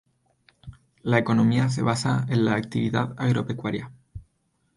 La economía se basa en la actividad agropecuaria.